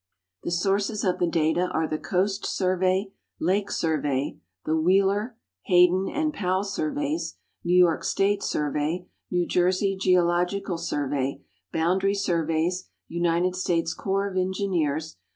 The sources of the data are the Coast Survey, Lake Survey, the Wheeler, Hayden, and Powell Surveys, New York State Survey, New Jersey Geo logical Survey, Boundary Surveys, United States Corps of Engineers